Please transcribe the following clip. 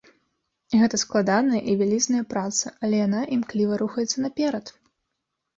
Гэта складаная і вялізная праца, але яна імкліва рухаецца наперад.